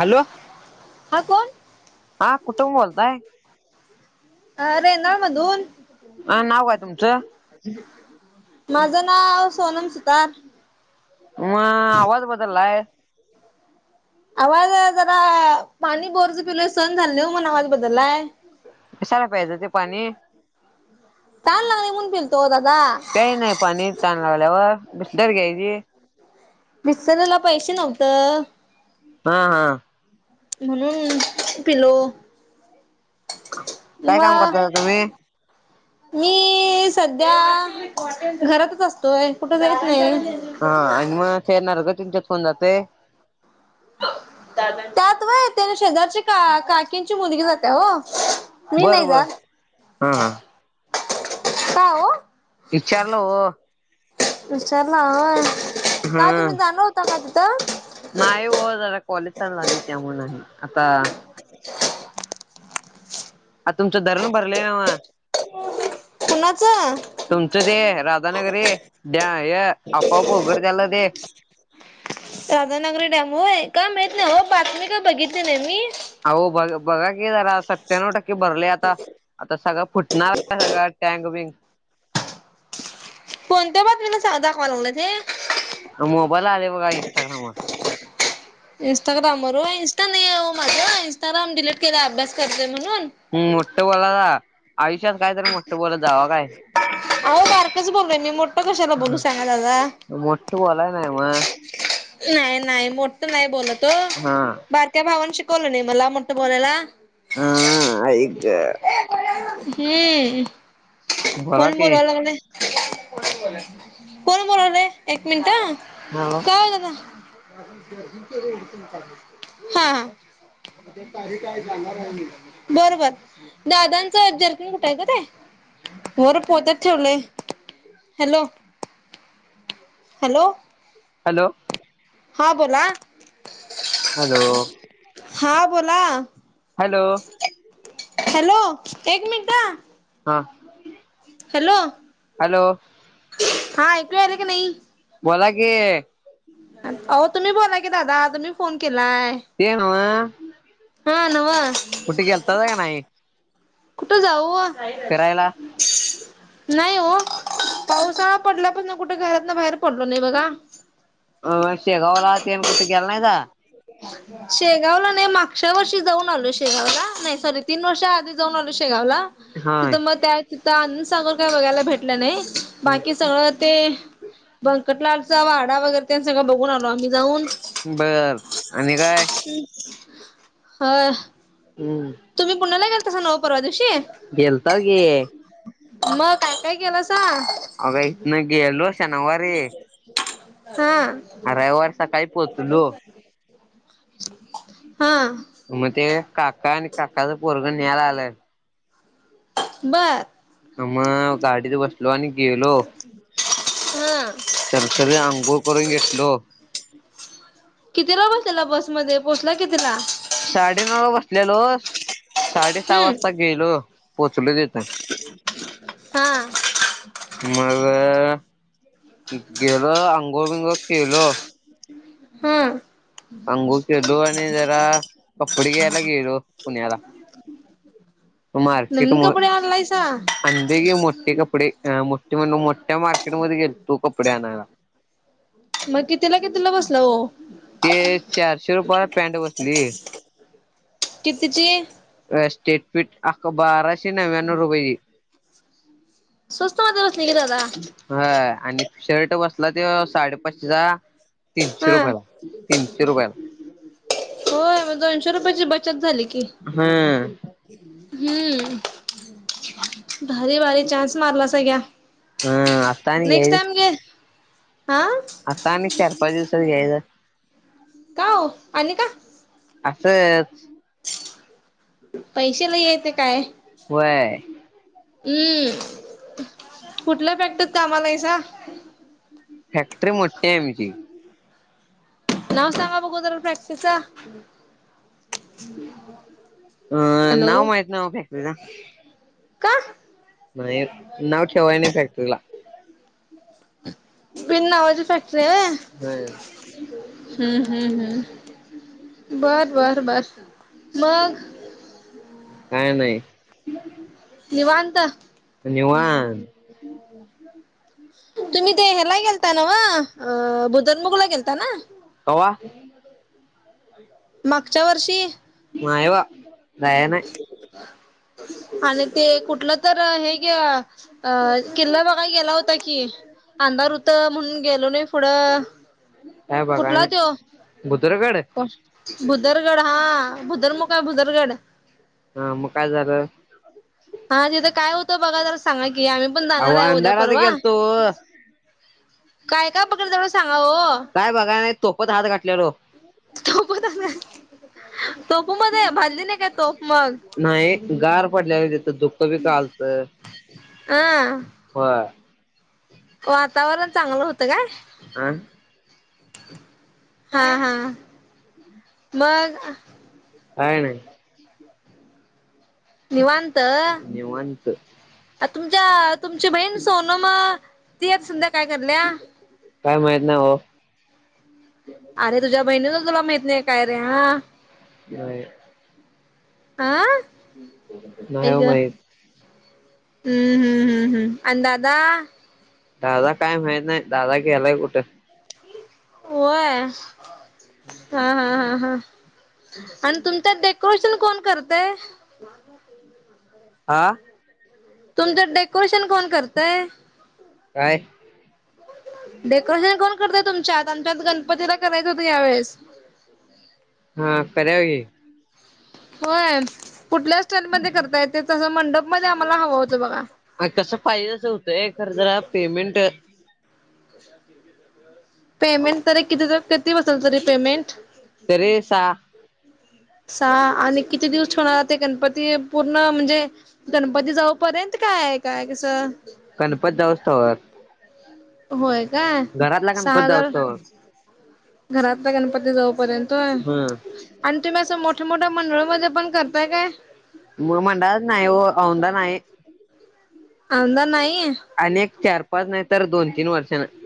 Hello हा कोण हा कुठून बोलताय. अ रेंदाळ मधून. आ नाव काय तुमचं. माझं नाव सोनम सुतार. म आवाज बदललाय. आवाज जरा पाणी बोरच पिलं सहन झाल नाही म्हणून आवाज बदललाय. कशाला प्यायच ते पाणी. तहान लागली म्हणून पिलतो ओ दादा. प्यायच नाही पाणी तहान लागल्यावर बिसलेरी घ्यायची. बिसलेरीला पैशे नव्हत. हा हा म्हणून पिलो काय काम मग. करता तुम्ही मी. मी सध्या घरातच असतोय कुठे जाईत नाही. हा आणि मग फेरणार ग त्यांच्यात कोण जातय. त्यात व्हय ते ना शेजारची का काकींची मुलगी जात्या ओ. मी बर नाही बर जात हा हा का हो. विचारलं हो. विचारला होय का हम्म तुम्ही जाणार होता का तिथं. नाही व जरा कॉलेज झालय त्यामुळ नाय आता. [unintelligible] आता तुमचा धरण भरलय न्हव. कुणाचं. तुमचं ते राधानगरी डॅ हे आपोआप उगडतेल ते. राधनागरी डॅम होय काय माहित नाही हो बातमी का बघितली नाही मी अहो बघा. बघा कि जरा सत्त्याण्णव टक्के भरले आता आता सगळं फुटणार आहे सगळं टँक बिंक. कोणत्या बातमीला सांग दाखवा लागलेत हे. मोबाईलला आलंय बघा इंस्टाग्रामवर. इंस्टाग्राम वर होय इंस्टा नाही आहे हो माझ इंस्टाग्राम डिलीट केलय अभ्यास करते म्हणून. हम्म मोठं बोलासा आयुष्यात काय तरी मोठं बोलत जाव काय अहो बारकच बोललोय मी मोठं कशाला बोलू सांगा दादा. मोठ आलाय नाही मग. नाही.. नाही.. मोटु नाही बोलतो. हा बारक्या भावन शिकवल नाही मला मोठं बोलायला. हा.. हा.. ऐक ये.. पोरांनो, हे... बोला कोण की बोलवा लागलाय. कोण बोलवलं... एक मिनट.. हॅलो का हो दादा हा.. हा... उद्या तारीख आहे जाणार आहे मी, बर.. बर दादांचं जर्किंग कुठे आहे ग ते? वर पोत्यात ठेवलंय.. हॅलो! हॅलो! हॅलो! हा.. बोला हॅलो! हा.. बोला हॅलो! हॅलो!.. एक मिनटा हा हॅलो! हॅलो! हा.. ऐकू याल की नई. बोला... की अहो.. तुम्ही बोलाय की दादा, तुम्ही फोन केलाय. ते नव्ह हा.. नव्ह कुठ गेलता ह् नाही? कुठे जाऊ? फिरायला नाही ओ.. पावसाळा पडल्या पासून कुठ घरातन बाहेर पडलो नाही बघा. अ.. शेगावलाा ते कुठ गेला नायस. अच्छा [inaudible] शेगावला नाही मागच्या वर्षी जाऊन आलो शेगाव ला नाही सॉरी तीन वर्षा आधी जाऊन आलो शेगावला. तिथ मग होय त्या तिथ आनंद सागर काय बघायला भेटलं नाही. बाकी सगळं ते भंकटलालचा वाडा वगैरे त्यां सगळं बघून आलो आम्ही जाऊन. बर.. आणि काय? ह हम्म तुम्ही पुण्याला गेलतास नव्ह परवा दिवशी गेलताव की. मग काय -काय केलं सां अग.. इथन गेलो शनवारी हा रविवारी सकाळी पोहोचलो. हा मग ते काका आणि काकाचं पोरग न्यायला आलंय. बर मग गाडीत बसलो आणि गेलो. हा तरतरी अंघोळ करून घेतलो. कितीला बसलेला बस मध्ये पोहोचला कितीला? साडेनऊला बसलेलोस साडे सहा हम्म वाजता गेलो पोहोचलो तिथं. हा. मग गेलो अंंगोळ बिंगोळ केलो. हम्म. आंघुळ केेलो आणि जरा कपडे घ्यायला गेलो पुण्याला. नविन मार्केट कपडे आणलायसा. आणले की मोठे कपडे हा मोठे म्हणुन मोठ्या मार्केटमध्ये गेलतो कपडे आणायला. मगं कितीला कितीला बसला ओ? ते चारशे रुपयाला पॅन्ट बसली. कितीची स्टेट फीट आख बाराशे नव्याण्णव रुपयाची. स्वस्थ मध्ये बसली की दादा. ह आणि शर्ट बसला ते साडेपाचशेचा तीनशे रुपयाला. तीनशे रुपयला. होय दोनशे रुपयाची बचत झाली की. हम्म. हम्म. भारी भारी चान्स मारलासा घ्या हम्म आता आणि नेक्स्ट घ्याय टाइम घे. हा. आता आणि एक चार पाच दिवसात यायचं. का ओ आणि का? असंच. पैसे लई येत काय. व्हय. हम्म. कुठलं फॅक्टरीत कामाला आहेसा? फॅक्ट्री मोठी आहे आमची. नाव सांगा बघु जरा फॅक्टरीच? अह हॅलो नाव माहीत नाय ओ फॅक्टरीच. का? नाही नावं ठेवाय नाही फॅक्ट्रीला. बिन नावाची फॅक्टरी आहे व्हय. व्हय. हम्म हम्म हम् बर बर बर मग. काय नाही. निवांत. निवांत तुम्ही ते ह्याला गेलता नव्ह? अ बुधन मुगला गेलता ना. कवा? मागच्या वर्षी. नाय बा नाय नाय. ह. आणि ते कुठलं तर हे ग किल्ला बघाय गेला होता. कि अंधार होत म्हणून गेलो नाही पुढं. काय बघाय कुठला त्यो? नाही भुतरकड भुदरगड हा भुदर मुख हाय भुदरगड. हा मग काय झालं? हा तिथं काय होतं बघा जरा सांगा की आम्ही पण अहो जाणार आहे उद्या अंधारात परवा. गेलतो काय काय बघायच तेवढं? सांगा हो. काय बघाय नाही तोफत हात घातल्या तोफ तोफ मध्ये भाजली नाही काय तोफ मग? नाही गार पडल्याल तिथं धुक बीक आलत हा होय. वातावरण चांगलं होतं काय? आं? हा हा मग. काही नाय. निवांत? निवांत तुमच्या तुमची बहीण सोन मग तिएक संध्या काय करल्या? काय माहित नाही ओ. अरे तुझ्या बहिणीच तुला माहित नाही काय रे हा. नाही. आं? नाही ओ माहीत. हम्म हम्म हम्म आण दादा दादा काय माहित नाही दादा गेलाय कुठे? होय? हम्. हा हा हा हा आणि तुमच डेकोरेशन कोण करतय? [inaudible] हा. तुमचं डेकोरेशन कोण करतय? काय? डेकोरेशन कोण करत तुमच्यात? आमच्यात गणपतीला करायचं होतं ह्या वेळेस. हा करल की. होय कुठल्या स्टाईलमध्ये करता येते? तसं मंडपमध्ये आम्हाला हवं होतं बघा. कसं पाहिज तस होतंय खर तर पेमेंट पेमेंट तरी किती जपताय दिवसांचं जर पेमेंट तरी सहा सहा आणि किती दिवस ठेवणारे ते गणपती पूर्ण म्हणजे गणपती जाऊ पर्यंत काय काय कसं गणपती जाऊ स्तवर होय काय घरातला गणपत सहा जाऊस्तवर हजारात घरातला गणपती जाऊ पर्यंत हम्म. आणि तुम्ही असं मोठ्या मोठ्या मंडळामध्ये पण करताय काय? मोठ मंडळात नाही हो आउंदा नाही. आउंदा नाही. आणि एक चार-पाच नाहीतर दोन तीन वर्षानंतर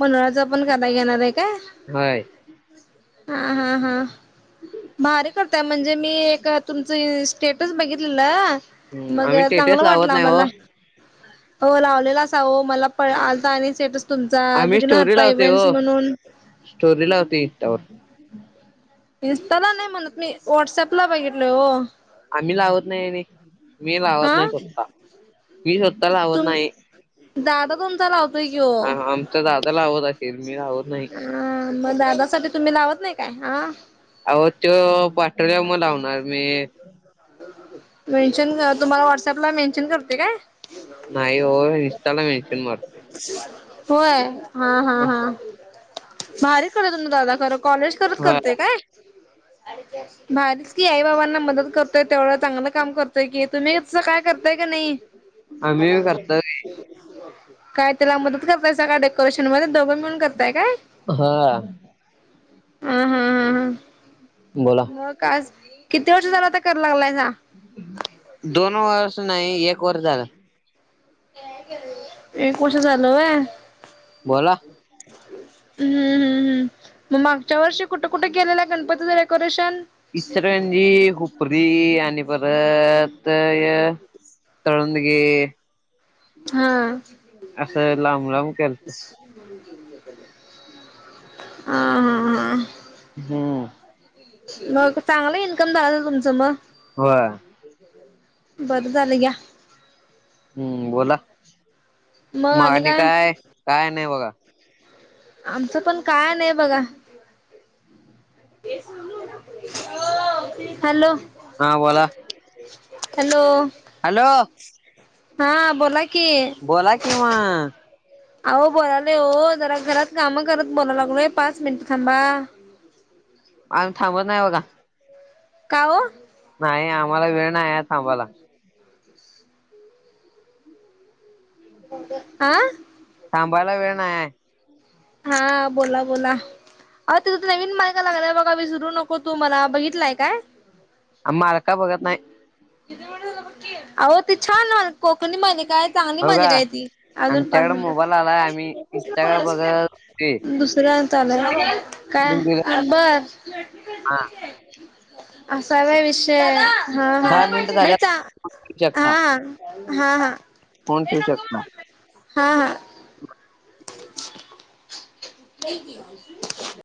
मंडळाचा पण गदा घेणारे काय? होय? हा हा हा भारी करतो. म्हणजे मी एक तुमचं स्टेटस बघितलेला. मग आम्ही चांगला टेटस लावत वाटला नाही आम्हाला. हो हो लावलेला असा हो, मला आलता आणि स्टेटस तुमचा आम्ही स्टोरी विघ्नहर्ता लावते इव्हेंट हो म्हणून. स्टोरी लावतोय इन्स्टावर. इन्स्टाला नाय म्हणत मी, व्हाट्सअप ला बघितलाय ओ आम्ही लावत नाही आणि, मी लावत हा नाही स्वतः मी स्वतः लावत तुम नाही. दादा तुमचा लावतोय की ओ हा हा हा आमचा दादा लावत असेल, मी लावत नाही. हा मग दादासाठी तुम्ही लावत नाही का? आ! अहो तो पाठवल्यावर मग लावणार मी. मेंशन तुम्हाला, व्हाट्सअप ला मेन्शन करते काय? नाही ओ इंस्टाल मेंशन मारतोय. होय हा हा हा भारी चाललंय, तुझं दादा खरं. कॉलेज करत होय करतोय काय? [inaudible] आलती आशी. भारीच की, आई बाबांना मदत करतोय तेवढे चांगलं काम करतोय की, तुम्हीच काय करताय की नाही? आम्ही भी करतोय की. काय त्याला मदत करतायसा काय डेकोरेशन मध्ये? दोघे मिळून करताय काय? हा हा हा हा बोला मग काच किती वर्ष झाले, आता करायला लागलायसा. दोन वर्ष नाही, एक वर्ष झालं. एक वर्ष झालं होय? बोला. हम्म हम्म हम्म मग मागच्या वर्षी कुठे गेलेल्या गणपती झाल्यावर? करू शान. इचलकरंजी. हुपरी आणि परत तळंदगे. हा. असं लांब लांब गेलतो. हा हा हा. हम्म. मग चांगलं इन्कम झालं तुमचं मग. होय. बंद झालं घ्या. हम्म बोला, मग आणि काय? काय नाही बघा. आमचं पण काय नाही बघा. हॅलो. हा बोला. हॅलो! हॅलो. हा बोला- की बोला किं मग. अहो बोलालोय हो जरा घरात कामं करत बोला लागलोय पाच मिनिटं थांबा आम्ही थांबत नाही बघा का ओ नाही आम्हाला वेळ नाही थांबाला आ थांबायला वेळ नाही आहे [inaudible] हा बोला बोला अहो तेच्यात नवीन मालिका लागल्या बघा विसरू नको तू मला बघितलाय का. आम्ही मालिका बघत नाही अहो ती छान कोकणी मालिका आहे. चांगली हो का मालिका आहे ती अजून पाच आमच्याकडे मिनटात मोबाईल आलाय आम्ही इंस्टाग्राम बघत होते. दुसऱ्यावर चालू आहे काय बघ. हा असाय होय विषय. हा दहा मिनट [unintelligible] हा हा हा फोन ठेवू हा शकता. हा हा [inaudible] [inaudible] उठलय की